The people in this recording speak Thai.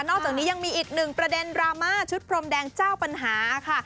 อกจากนี้ยังมีอีกหนึ่งประเด็นดราม่าชุดพรมแดงเจ้าปัญหาค่ะ